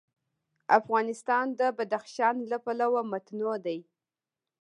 افغانستان د بدخشان له پلوه متنوع دی.